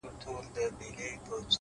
پښتې ستري تر سترو; استثناء د يوې گوتي;